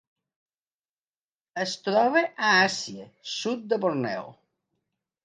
Es troba a Àsia: sud de Borneo.